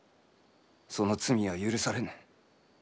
その罪は許されぬ。